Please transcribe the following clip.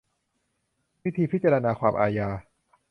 วิธีพิจารณาความอาญา